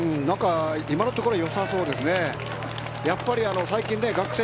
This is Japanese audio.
今のところはよさそうです。